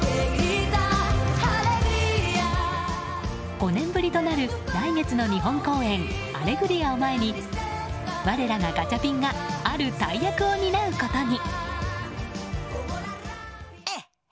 ５年ぶりとなる来月の日本公演「アレグリア」を前に我らがガチャピンがある大役を担うことに。